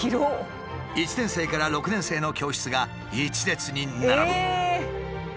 １年生から６年生の教室が１列に並ぶ。